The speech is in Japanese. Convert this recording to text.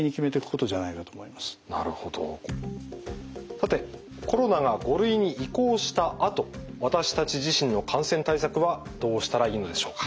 さてコロナが５類に移行したあと私たち自身の感染対策はどうしたらいいのでしょうか？